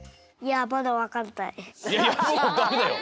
いやいやもうダメだよ。